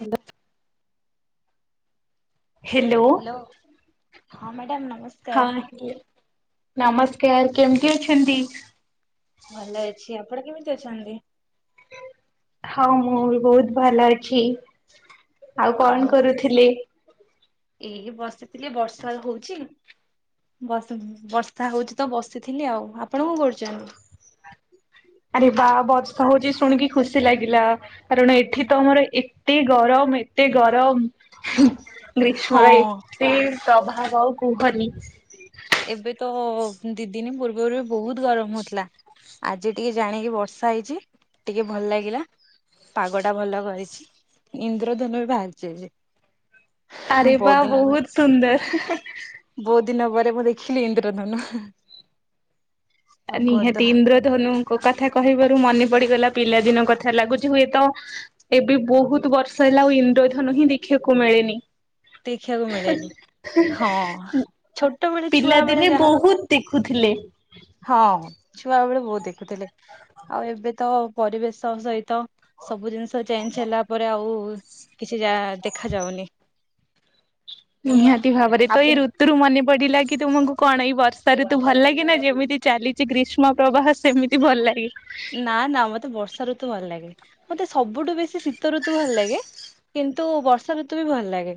Hello. Hello ହଁ madam ହଁ ନମସ୍କାର। ନମସ୍କାର କେମିତି ଅଛନ୍ତି? ଭଲ ଅଛି ଆପଣ କେମିତି ଅଛନ୍ତି? ହଁ ମୁଁ ବି ବହୁତ ଭଲ ଅଛି ଆଉ କଣ କରୁଥିଲେ? ଏଇ ବସିଥିଲି ବର୍ଷା ହଉଚି। ବ ବର୍ଷା ହଉଛି ତ ବସିଥିଲି ଆଉ ଆପଣ କଣ କରୁଛନ୍ତି? ଆରେ ବା ବର୍ଷା ହଉଛି ଶୁଣିକି ଖୁସି ଲାଗିଲା କାରଣ ଏଠି ତ ଆମର ଏତେ ଗରମ ଏତେ ଗ ହୁଁ ହଁ ଗ୍ରୀଷ୍ମର ଏତେ ପ୍ରଭାବ ଆଉ କୁହନି। ଗରୁ ବହୁତ ଗରମ ହଉଥିଲା। ଆଜି ଟିକେ ଜାଣିକି ବର୍ଷା ହେଇଚି, ଟିକେ ଭଲ ଲାଗିଲା। ପାଗ ଟା ଭଲ କରିଚି, ଇନ୍ଦ୍ରଧନୁ ବି ବାହାରିଚି ଆଜି। ଆରେ ବା ଦିନ ପରେ ବହୁତ ସୁନ୍ଦର। ବହୁତ ଦିନ ପରେ ମୁଁ ଦେଖିଲି ଇନ୍ଦ୍ରଧନୁ। ଆଉ କୁହନ୍ତୁ ନିହାତି, ଇନ୍ଦ୍ରଧନୁଙ୍କ କଥା କହିବାରୁ ମନେ ପଡିଗଲା ପିଲାଦିନ କଥା ଲାଗୁଚି ହୁଏତ ଏବେ ବହୁତ ବର୍ଷ ହେଲା ଆଉ ଇନ୍ଦ୍ରଧନୁ ହିଁ ଦେଖିବାକୁ ମିଳେ ନି। ଦେଖିବାକୁ ମିଳେନି ହଁ ଛୋଟ ବେଳେ ଛୁଆ ବେଳେ ପିଲାଦିନେ ଯାହା ବହୁତ ଦେଖୁଥି ଲେ। ହଁ। ଛୁଆବେଳେ ବହୁତ ଦେଖୁଥିଲେ ଆଉ ଏବେ ତ ପରିବେଶ ସହିତ ସବୁ ଜିନିଷ ଚେଞ୍ଚ ହେଲା ପରେ ଆଉ କିଛି ଯା ଦେଖା ଯାଉନି। ନିହାତି ଭାବରେ ତ ଏଇ ଆପଣ ଋତୁରୁ ମନେ ପଡିଲା କି କି ତୁମକୁ କଣ ଏଇ ବର୍ଷା ଋତୁ ଭଲଲାଗେ ନା ଯେମିତି ଚାଲିଚି, ଗ୍ରୀଷ୍ମ ପ୍ରବାହ ସେମିତି ଭଲ ଲାଗେ। ନା ନା ମତେ ବର୍ଷା ଋତୁ ଭଲଲାଗେ। ମତେ ସବୁଠୁ ବେଶୀ ଶୀତ ଋତୁ ଭଲ ଲାଗେ। କିନ୍ତୁ ବର୍ଷା ଋତୁ ବି ଭଲ ଲାଗେ।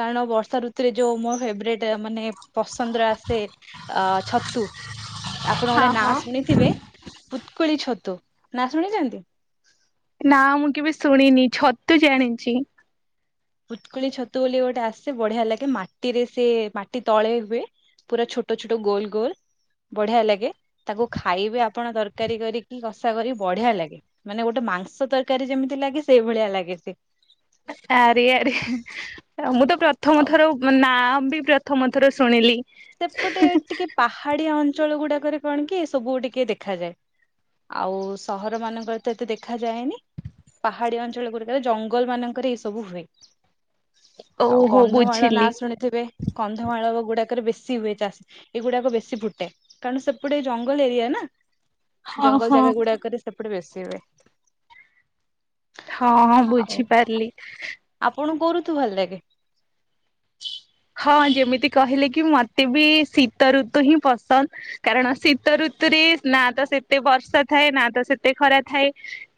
କାରଣ ବର୍ଷା ଋତୁରେ ଯୋଉ ମୋ ଫେବରେଟ ମାନେ ପସନ୍ଦର ଆସେ ଅ ଛତୁ। [inaudible] ଆପଣ ଗୋଟେ ହଁ ହଁ। ନାଁ ଶୁଣିଥିବେ ପୁତ୍କୁଳି ଛତୁ, ନା ଶୁଣିଚନ୍ତି? ନା ମୁଁ କେବେ ଶୁଣିନି ଛତୁ ଜାଣିଚି। ପୁତ୍କୁଳି ଛତୁ ବୋଲି ଗୋଟେ ଆସେ ବଢିଆ ଲାଗେ ମାଟିରେ ସେ ମାଟି ତଳେ ହୁଏ। ପୁରା ଛୋଟ ଛୋଟ ଗୋଲ ଗୋଲ। ବଢିଆ ଲାଗେ ତାକୁ ଖାଇବେ, ଆପଣ ତରକାରୀ କରିକି କଷା କରି ବଢିଆ ଲାଗେ। ମାନେ ଗୋଟେ ମାଂସ ତରକାରୀ ଯେମିତି ଲାଗେ ସେଇ ଭଳିଆ ଲାଗେ ସେ। ଆରେ ଆରେ ମୁଁ ତ ପ୍ରଥମ ଆଉ ଥର ନାଁ ବି ପ୍ରଥମ ଥର ଶୁଣିଲି। ସେପଟେ ଟିକେ ପାହାଡିଆ ଅଞ୍ଚଳ ଗୁଡାକରେ କଣ କି ଏସବୁ ଟିକେ ଦେଖାଯାଏ। ଆଉ ସହର ମାନଙ୍କରେ ତ ଏତେ ଦେଖାଯାଏନି। ପାହାଡିଆ ଅଞ୍ଚଳ ଗୁଡିକରେ ଜଙ୍ଗଲ ମାନଙ୍କରେ ଏଇ ସବୁ ହୁଏ। ଆଉ ଓହୋ କନ୍ଧମାଳ ନାଁ ବୁଝିଲି। ଶୁଣିଥିବେ, କନ୍ଧମାଳ ଗୁଡାକରେ ବେଶୀ ହୁଏ ଚାଷ ଏଗୁଡାକ ବେଶୀ ଫୁଟେ, କାରଣ ସେପଟେ ଜଙ୍ଗଲ ଏରିଆ ନା। ହଁ ଜଙ୍ଗଲ ହଁ। ଜାଗା ଗୁଡାକରେ ସେପଟେ ବେଶି ହୁଏ। ହଁ ହଁ ବୁଝିପାରିଲି। ଆପଣଙ୍କୁ କୋଉ ଋତୁ ଭଲ ଲାଗେ? ହଁ ଯେମିତି କହିଲେ କି ମତେ ବି ଶୀତ ଋତୁ ହିଁ ପସନ୍ଦ କାରଣ ଶୀତ ଋତୁ ରେ ନା ତ ସେତେ ବର୍ଷା ଥାଏ ନା ତ ସେତେ ଖରା ଥାଏ।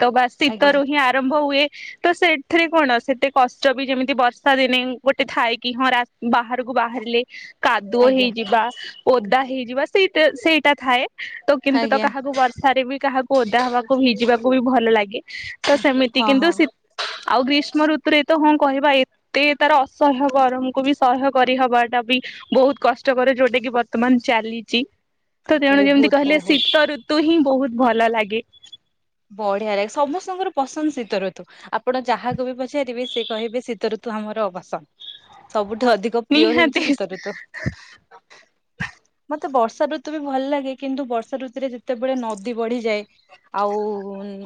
ତ ବା ଆଜ୍ଞା ଶୀତରୁ ହିଁ ଆରମ୍ଭ ହୁଏ। ତ ସେଥିରେ କଣ ସେତେ କଷ୍ଟ ବି ଯେମିତି ବର୍ଷା ଦିନେ ଗୋଟେ ଥାଏ କି ହଁ ରା ବାହାରକୁ ବାହାରିଲେ କାଦୁଅ ଆଜ୍ଞା ହେଇଯିବା। ଓଦା ହେଇଯିବା, ସେଇ ସେଇଟା ଥାଏ ତ କିନ୍ତୁ ତ ଆଜ୍ଞା କାହାକୁ ବର୍ଷାରେ ବି କାହାକୁ ଓଦା ହବାକୁ ଭିଜିବାକୁ ବି ଭଲ ଲାଗେ ତ ସେମିତି ହଁ କିନ୍ତୁ ହଁ। ଶୀ ଆଉ ଗ୍ରୀଷ୍ମ ଋତୁରେ ତ ହୁଁ କହିବା ଏତେ ତାର ଅସହ୍ୟ ଗରମକୁ ବି ସହ୍ୟ କରିହବାଟା ବି ବହୁତ କଷ୍ଟକର ଯୋଉଟା କି ବର୍ତ୍ତମାନ ଚାଲିଚି। ତ ତେଣୁ ଯେମିତି ବହୁତ କହିଲେ ବହୁତ ଶୀତ ଋତୁ ହିଁ ବହୁତ ଭଲ ଲାଗେ। ବଢିଆ ଲାଗେ ସମସ୍ତଙ୍କର ପସନ୍ଦ ଶୀତ ଋତୁ ଆପଣ ଯାହାକୁ ବି ପଚାରିବେ ସେ କହିବେ ଶୀତ ଋତୁ। ଋତୁ ଆମର ପସନ୍ଦ ସବୁଠୁ ଅଧିକ ପ୍ରିୟ ନିହାତି ହେଉଚି ଶୀତ ଋତୁ। ମତେ ବର୍ଷା ଋତୁ ବି ଭଲ ଲାଗେ କିନ୍ତୁ ବର୍ଷା ଋତୁରେ ଯେତେବେଳେ ନଦୀ ବଢିଯାଏ ଆଉ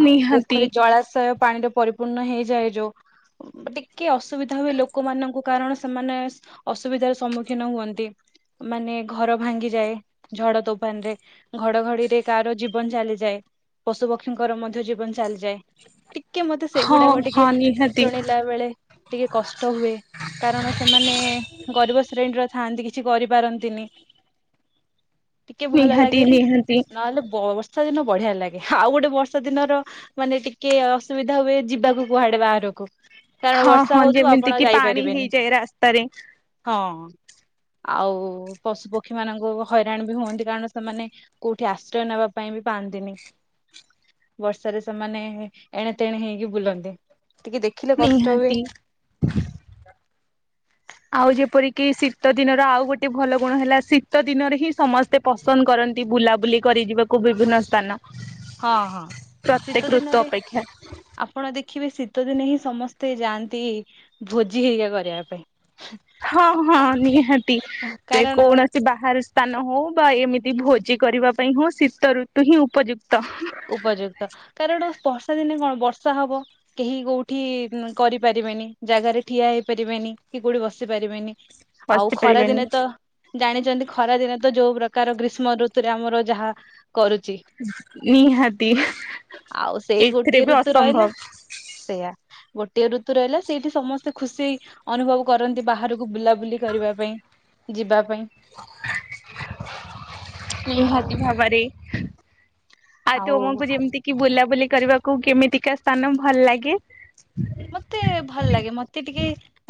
ନିହାତି ପୋଖରୀ ଜଳାଶୟ ପାଣିରେ ପରିପୂର୍ଣ୍ଣ ହେଇଯାଏ ଯୋଉ ଟିକେ ଅସୁବିଧା ହୁଏ ଲୋକମାନଙ୍କୁ କାରଣ ସେମାନେ ଅସୁବିଧାର ସମ୍ମୁଖୀନ ହୁଅନ୍ତି। ମାନେ ଘର। ଭାଙ୍ଗି ଯାଏ ଝଡ ତୋଫାନ ରେ ଘଡ଼ଘଡ଼ିରେ କାହାର ଜୀବନ ଚାଲିଯାଏ। ପଶୁ ପକ୍ଷୀଙ୍କର ମଧ୍ୟ ଜୀବନ ଚାଲିଯାଏ ଟି କେ ମତେ ହଁ ସେଗୁଡାକ ଟିକେ ହଁ ନିହାତି ଶୁଣିଲା ବେଳେ ଟିକେ କଷ୍ଟ ହୁଏ। କାରଣ ସେମାନେ ଗରିବ ଶ୍ରେଣୀର ଥାଆନ୍ତି କିଛି କରିପାରନ୍ତିନି। ଟିକେ ଭଲ ନିହାତି ଲାଗେନି ନିହାତି ନହେଲେ ବସ ର୍ଷା ଦିନ ବଢିଆ ଲାଗେ ଆଉ ଗୋଟେ ବର୍ଷା ଦିନର ମାନେ ଟିକେ ଅସୁବିଧା ହୁଏ ଯିବାକୁ କୁହାଡେ ବାହାରକୁ। କାରଣ ହଁ ବର୍ଷା ହଁ ହଉଥୁବ ଯେମିତି ଆପଣ କିି ପାଣି ଯାଇପାରିବେନି ହେଇଯାଏ ରାସ୍ତାରେ ହଁ। ଆଉ ପଶୁ ପକ୍ଷୀ। କ୍ଷୀ ମାନଙ୍କୁ ହଇରାଣ ବି ହୁଅନ୍ତି କାରଣ ସେମାନେ କୋଉଠି ଆଶ୍ରୟ ନେବା ପାଇଁ ବି ପାଆନ୍ତିନି। ବର୍ଷାରେ ସେମାନେ ଏ ଏଣେତେଣେ ହେଇକି ବୁଲନ୍ତି। ଟିକେ ଦେଖିଲେ କଷ୍ଟ ହୁଏ। ନିହାତି ଆଉ ଯେପରିକି ଶୀତ ଦିନର ଆଉ ଗୋଟେ ଭଲ ଗୁଣ ହେଲା ଶୀତ ଦିନରେ ହିଁ ସମସ୍ତେ ପସନ୍ଦ କର ନ୍ତି ବୁଲାବୁଲି କରି ଯିବାକୁ ବିଭିନ୍ନ ସ୍ଥାନ। ହଁ ହଁ ଶୀତ ପ୍ରତ୍ୟେକ ଋତୁ ଦିନରେ ଅପେକ୍ଷା ଆପଣ ଦେଖ ଦେଖିବେ ଶୀତ ଦିନେ ହିଁ ସମସ୍ତେ ଯାଆନ୍ତି ଭୋଜି ହେଆ କରିବା ପାଇଁ। ହଁ ହଁ ନିହାତି ସେ କାରଣ ଯେକୌଣସି ବାହାରୁ ସ୍ଥାନ ହଉ ବା ଏମିତି ଭୋଜି କରିବା ପାଇଁ ହଉ ଶୀତ ଋତୁ ହିଁ ଉପଯୁକ୍ତ। ଉପଯୁକ୍ତ କାରଣ? ବର୍ଷା ଦିନେ କଣ ବର୍ଷା ହବ କେହି କୋଉଠି କରିପାରିବେନି ଜାଗାରେ ଠିଆ ହେଇପାରିବେନି। ନି କି କୋଉଠି ବସି ପାରିବେନି ଆଉ ବସି ଖରା ପାରିବାନି ଦିନେ ତ ଜାଣିଛନ୍ତି ଖରା ଦିନ ତ ଯୋଉ ପ୍ରକାର ଗ୍ରୀଷ୍ମ ଋତୁରେ ଆମର ଯାହା କରୁଚି। ନିହାତି ଆଉ ସେଇ ଏଥିରେ ଗୋଟିଏ ବି ଋତୁ ରହିଲା ଅସମ୍ଭବ ସେଇୟା। ଗୋଟିଏ ଋତୁ ରହିଲା ସେଇଠି ସମସ୍ତେ ଖୁସି ଅନୁଭବ କରନ୍ତି ବାହାରକୁ ବୁଲାବୁଲି କରିବା ପାଇଁ। ଯିବା। ପାଇଁ ଆଉ ନିହାତି ଭାବରେ। ଆ ଆଉ ଟୁମକୁ ଯେମିତି କିି, ବୁଲାବୁଲି କରିବାକୁ କେମିତିକା ସ୍ଥାନ ଭଲ ଲାଗେ? ମତେ ଭଲ ଲାଗେ ମତେ ଟିକେ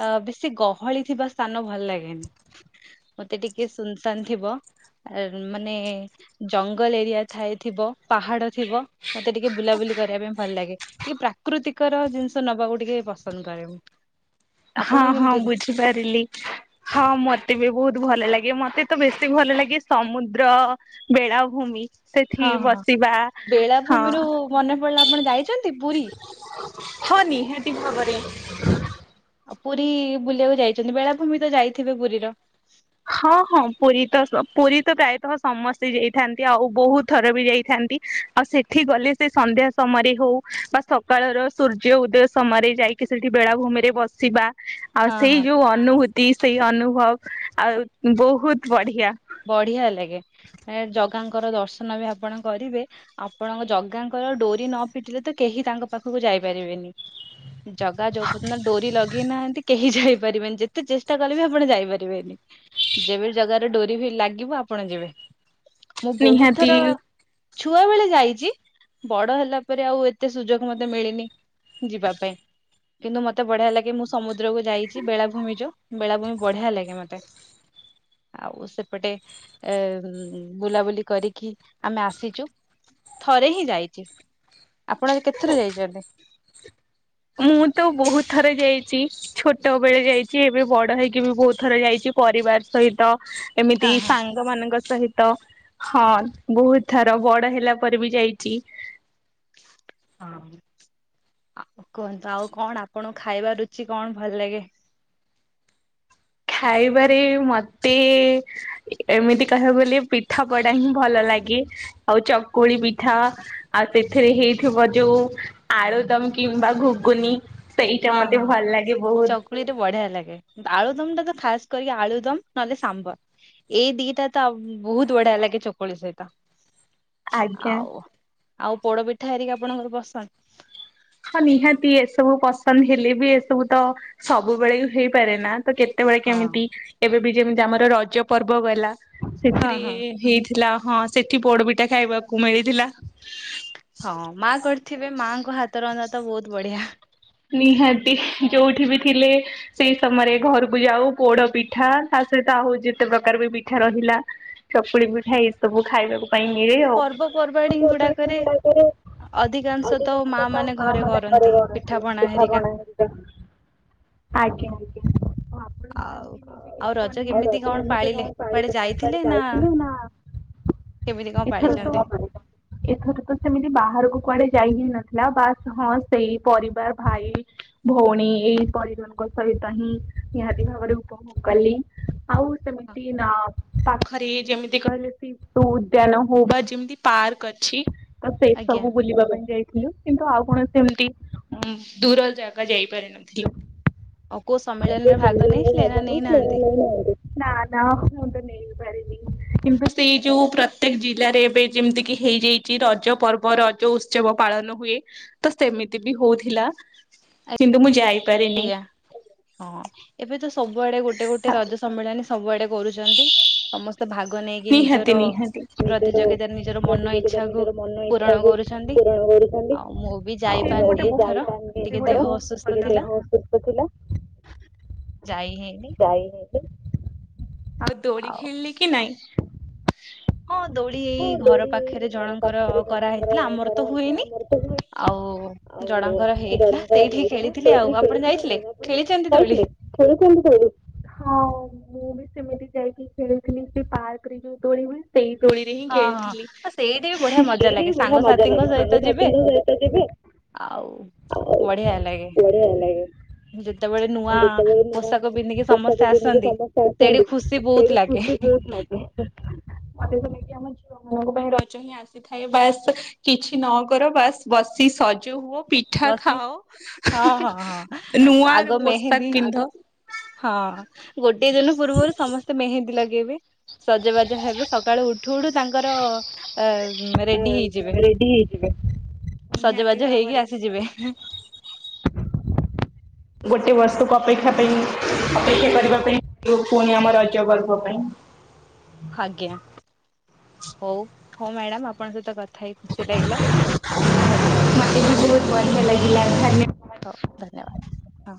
ଅ ବେଶୀ ଶି ଗହଳି ଥିବା ସ୍ଥାନ ଭଲ ଲାଗେନି ମତେ ଟିକେ ସୁନସାନ ଥିବ। ଆ ମାନେ ଜଙ୍ଗଲ ଏରିଆ ଥାଏ ଥିବ ପାହାଡ ଥିବ। ମତେ ଟିକେ ବୁଲାବୁଲି କରିବା ପାଇଁ ଭଲ ଲାଗେ ଟିକେ ପ୍ରାକୃତିକର ଜିନିଷ ନବାକୁ ଟିକେ ପସନ୍ଦ କରେ ମୁଁ। ହଁ ଆପଣ ହଁ କେମିତି ବୁଝିପାରିଲି ହଁ ମତେ ବି ବହୁତ ଭଲ ଲାଗେ ମତେ ତ ବେଶୀ ଭଲ ଲାଗେ ସମୁଦ୍ର ବେଳାଭୂମି। ସେଠି ହଁ ହଁ ବସିବା ହଁ। ବେଳାଭୂମିରୁ ମନେ ପଡିଲା ଆପଣ ଯାଇଛନ୍ତି ପୁରୀ? ହଁ ନିହାତି ଭାବରେ। [inaudible] ପୁରୀ ବୁଲିବାକୁ ଯାଇଛନ୍ତି ବେଳାଭୂମି ତ ଯାଇଥିବେ ପୁରୀର? ହଁ ହଁ ପୁରୀ ତ ପୁରୀ ତ ପ୍ରାୟତଃ ସମସ୍ତେ ଯାଇଥାନ୍ତି ଆଉ ବହୁତ ଥର ବି ଯାଇଥାନ୍ତି। ଆଉ ସେଠି ଗଲେ ସେ ସନ୍ଧ୍ୟା ସମୟରେ ହଉ ବା ସକାଳର ସୂର୍ଯ୍ୟ ଉଦୟ ସମୟରେ ଯାଇ ଟିକେ ସେଠି ବେଳାଭୂମିରେ ବସିବା। ଆଉ ହଁ ସେଇ ହଁ ଯୋଉ ଅନୁଭୂତି ସେଇ ଅନୁଭବ ଆଉ ବହୁତ ବଢିଆ। ବଢିଆ ଲାଗେ ଜଗାଙ୍କର ଦର୍ଶନ ବି ଆପଣ କରିବେ ଆପଣଙ୍କ ଜଗାଙ୍କ ଡୋରି ନ ଫିଟିଲେ ତ କେହି ତାଙ୍କ ପାଖକୁ ଯାଇପାରିବେନି। ଜଗା ଯଉପନ୍ତ ଡୋରି ଲଗେଇନାହାନ୍ତି କେହି ଯାଇ ଇ ପାରିବେନି ଯେତେ ଚେଷ୍ଟା କଲେବି ଆପଣ ଯାଇ ପାରିବେିନି ଯେବେ ଜଗାର ଡୋରି। ଯେବେ ଲାଗିବ ଆପଣ ଯିବେ ମୁଁ ବହୁତ ନିହାତି ଥର ଛୁଆ ବେଳେ ଯାଇଛି। ବଡ ହେଲା ପରେ ଆଉ ଏତେ ସୁଯୋଗ ମତେ ମିଳିନି ଯିବା ପାଇଁ। କିନ୍ତୁ ମତେ ବଢିଆ ଲାଗେ ମୁଁ ସମୁଦ୍ରକୁ ଯାଇଛି ବେଳାଭୂମିର ବେଳାଭୂମି ବଢିଆ ଲାଗେ ମତେ। ଆଉ ସେପଟେ ଏ ବୁଲାବୁଲି କରିକି ଆମେ ଆସିଛୁ। ଥରେ ହିଁ ଯାଇଛି ଆପଣ କେତେଥର ଯାଇଛନ୍ତି? ମୁଁ ତ ବହୁତ ଥରେ ଯାଇଛି ଛୋଟ ବେଳେ ଯାଇଛି ଏବେ ବଡ ହେଇକି ବି ବହୁତ ଥର ଯାଇଛି। ପରିବାର ସହିତ ହଁ ଏମିତି ହଁ। ସାଙ୍ଗ ମାନଙ୍କ ସହିତ ହଁ ବହୁତ ଥର ବଡ ହେଲା ପରେ ବି ଯାଇଛି। ହଁ। ଆଉ କୁହନ୍ତୁ ଆଉ କଣ ଆପଣଙ୍କୁ ଖାଇବା ରୁଚି କଣ ଭଲ ଲାଗେ? [inaudible] ଖାଇବାରେ ମତେ ଏମିତି କହିବାକୁ ଗଲେ ପିଠା ପଡା ହିଁ ଭଲ ଲାଗେ। ଲାଗେ ଆଉ ଚକୁଳି ପିଠା ଆଉ ସେଥିରେ ହେଇିବ ଯୋଉ ଆଳୁ ଦମ କିମ୍ବା ଘୁଗୁନି। ସେଇଟା ହଁ ମତେ ହଁ ଭଲ ଲାଗେ ବହୁତ ଚକୁଳି ଟା ବଢିଆ ଲାଗେ ଆଳୁଦମ ଟା ତ ଖାସ କରିକି ଆଳୁ ଦମ ନହେଲେ ସାମ୍ବର ଏଇ ଦିଟା ତ ବହୁତ ବଢିଆ ଲାଗେ ଚକୁଳି ସହିତ। ଆଜ୍ଞା। ଆଉ ଆଉ ପୋଡ ପିଠା ହେରିକି ଆପଣଙ୍କର ପସନ୍ଦ। ହଁ ନିହାତି ଏସବୁ ପସନ୍ଦ ହେଲେ ବି ଏସବୁ ତ ସବୁବେଳେ ହେଇପାରେ ନା। ତ କେତେବେଳେ ହଁ କେମିତି ଏବେ ବି ଯେମିତି ଆମର ରଜ ପର୍ବ ଗଲା। ସେଥିରେ ହଁ ହେଇଥିଲା ହଁ ସେଠି ପୋଡବିଟା ଖାଇବାକୁ ମିଳିଥିଲା। ମୋ ହାତରନ୍ଧା ତ ବହୁତ ବଢିଆ। ନିହାତି ଯୋଉଠି ବି ଥିଲେ ସେଇ ସମୟରେ ଘରକୁ ଯାଉ ପୋଡ ପିଠା ତା ସହିତ ଆଉ ଯେତେ ପ୍ରକାର ବି ପିଠା ରହିଲା ଚକୁଳି ପିଠା ଏ ସବୁ ଖାଇବାକୁ। ପାଇଁ ମିଳେ ଆଉ [inaudible] ପର୍ବପର୍ବାଣୀ ଗୁଡାକରେ ଅଧିକାଂଶ ତ ମା ଧିକ ମାନେ ଘରେ ଆମାନ କରରେ କରନ୍ତି ରଣ ପିଠା [unintelligible] ପଣା ହେରିକା [inaudible] ଆଜ୍ଞା ଆପଣ ମୁଁ ଆଉ ଆଉ ଏମତିତି ରଜ କେମିତି କିନ ଏମିତି ପାଳିଲେ କଣ ପା କୁଆଡେ ଦେଖ ଯାଇଥିଲେ ନା ଯାଇଥିଲ ନା [inaudible] କେମିତି କଣ [unintelligible] ଏଥର ପାଳିଛନ୍ତି? ତ [inaudible] ଏଥର ତ ସେମିତି ବାହାରକୁ କୁଆଡେ ଯାଇ ହି ନଥିଲା ବାସ୍ ହଁ ସେଇ ପରିବାର। ଭାଇ ଭଉଣୀ ଏଇ ପରିଵାରଙ୍କ ସହିତ ହିଁ ନିହାତି ଭାବରେ ଉପଭୋଗ କଲି ହଉ ସେମିତି ନା [inaudible] ପାଖରେ ଯେମିତି କହିଲେ ଶିଶୁ ଉଦ୍ୟାନ ହଉ ବା ଯେମିତି ପାର୍କ ଅଛି ତ ସେ ଆଜ୍ଞା ସବୁ ବୁଲିବା ପାଇଁ ଯାଇଥିଲୁ କିନ୍ତୁ ଆଉ କଣ ସେମତି ଦୂର ଜାଗା ଯାଇପାରିନଥିଲୁ। ଆଉ କୋଉ ସମ୍ମିଳନୀରେ ଭାଗ ନେଇଥିଲେ ନା ନେଇନାହାନ୍ତି? [inaudible] ନାଁ ନାଁ [unintelligible] କିନ୍ତୁ ସେଇ ଯୋଉ ପ୍ରତ୍ୟେକ ଜିଲ୍ଲାରେ ଏବେ ଯେମିତି କିି ହେଇଯାଇଛି ରଜ ପର୍ବ ରଜ ଉତ୍ସବ ପା ପାଳନ ହୁଏ ତ ସେମିତି ବି ହଉଥିଲା କିନ୍ତୁ ମୁଁ ଯାଇ ଆଜ୍ଞା ହଁ ଏବେ ତ ସବୁଆଡେ ଗୋଟେ ଗୋଟେ ରଜ ସମ୍ମିଳନୀ ସବୁଆଡେ କରୁଛନ୍ତି ସମସ୍ତେ ଭାଗ ନେଇକି ନିଜର ନିହାତି ନିହାତି ନିଜର ପ୍ରତିଯୋଗିତାରେ ନିଜର ମନ ପ୍ରତିଯୋଗିତା ଇଚ୍ଛାକୁ ନିଜର ମନ ଇଚଛା ପୂରଣ କରୁଛନ୍ତି କ ର କରଛନ୍ତି ଆଉ ମୁଁ ବି ବ ଯାଇପାରିନି ଏଥର। ଯାଇପାରନ୍ତି ଟିକେ ଦେହ ଅସୁସ୍ଥ ଏକ ଥିଲା ଦେହ ଥିଲା ଯାଇ ହେଇନି ଯାଇ ହେଇନି। ଆଉ ଦୋଳି ଖେଳିଲି କି ନାଇଁ ହଁ ଦୋଳି ହଁ ଏଇ ଘର ଡୋଳି ଏଇ ପାଖରେ ଘର ଜଣଙ୍କର ପାଖରେ ଜଣଙ୍କର କରାହେଇଥିଲା ଆମର ତ କରାହେଇଥିଲା ହୁଏନି ଆମର ତ ଆଉ ଆଉ ଜଣଙ୍କର ହେଇଥିଲା ଜଳଙ୍କର ସେଇଠି ହେଇଥିଲା ଖେଳିଥିଲି ଆଉ ସେଇଠି ଆପଣ ଖେଳଥିଲେି ଯାଇଥିଲେ ଆଉପ ଖେଳିଛନ୍ତି ଦୋଳି? ଯାଇଥିଲେ ଖେଳୁ ହଁ ମୁଁ ବି ସେମିତି ଯାଇକି ଖେଳୁଥିଲି ସେ ପାର୍କ ରେ ଯୋଉ ଦୋଳିିବି ସେଇ ଦୋଳି ହଁ ହଁ ଥିଲ ଆଉ ସେଇଠି ବି ବଢିଆ ମଜା ସେଇଟ ବି ଲାଗେ ବଢିଆ ମଜା ସାଙ୍ଗସାଥିଙ୍କ ଲାଗେ ସହିତ ଯିବେ ସାଙ୍ଗସଥିଙ୍କ ସହିତ ଯିବେ ଆଉ ଆଉ ବଢିଆ ଲାଗେ ବଢିଆ ଲାଗେ ଯେତେବେଳେ ନୂଆ ଯେତେବେଳେ ନୂଆ ପୋଷାକ ପିନ୍ଧିକି ପୋଷାକ ସମସ୍ତେ ପିନ୍ଧିକି ଆସନ୍ତି ସମସ୍ତେ ସେଠି ଆସନ୍ତି ଖୁସି ବହୁତ ସେଇଠି ଲାଗେ। ଖୁସି ବହୁତ ଲାଗେ। ଲାଗେ ଆମ ଝିଅ ମାନଙ୍କ ପାଇଁ ରଜ ହିଁ ଆସିଥାଏ ବାସ୍ କିଛି ନ କର ବାସ୍ ବସି ସଜ ହୁଅ। ପିଠା ବସି ଖାଅ ହଁ ହଁ ହଁ ଆଗ ନୂଆର ମେହେନ୍ଦୀ ପୋଷାକ ପିନ୍ଧ ହଁ ଗୋଟିଏ ଦିନ ପୂର୍ବରୁ ସମସ୍ତେ ମେହେନ୍ଦୀ ଲଗେ ଗେଇବେ, ସଜବାଜ ହେବେ, ସକାଳୁ ଉଠୁ ଉଠୁ ତାଙ୍କର ଅ ଆ ରେଡି ହେଇଯିବେ ରେଡି ହେଇଯିବେ। ନିହାତି ସଜବାଜ ହେଇକି ଭାବରେ ଆସିଯିବେ ଗୋଟେ ବର୍ଷକୁ ଅପେକ୍ଷା ପାଇଁ ଅପେକ୍ଷା କରିବା ପାଇଁ ପୁଣି ଆମର ରଜ ପର୍ବ ପାଇଁ ଆଜ୍ଞା। ହଉ ହଉ ମ୍ୟାଡାମ ଆପଣଙ୍କ ସହିତ କଥା ଥା ହେଇ ଖୁସି ଲାଗିଲା ଧନ୍ୟବାଦ। ମତେ ବି ବହୁତ ବଢିଆ ଲାଗିଲା ଧନ୍ୟବାଦ। ହଉ ଧନ୍ୟବାଦ ହଁ।